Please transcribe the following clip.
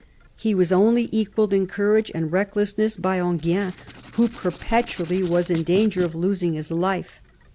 He was only equalled in courage and recklessness by Enghien, who perpetually was in danger of losing his life.